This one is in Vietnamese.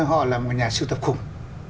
họ là một nhà siêu tập khủng